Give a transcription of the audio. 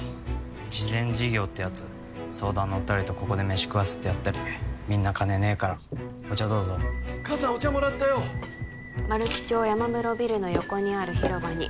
慈善事業ってやつ相談乗ったりとここで飯食わせてやったりみんな金ねえからお茶どうぞ母さんお茶もらったよ「丸来町山室ビルの横にある広場に」